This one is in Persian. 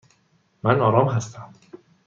من آرام هستم.